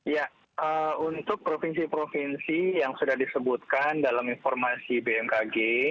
ya untuk provinsi provinsi yang sudah disebutkan dalam informasi bmkg